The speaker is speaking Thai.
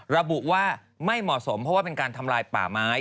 ระบุว่าไม่เหมาะสมเพราะว่าเป็นการทำลายป่าไม้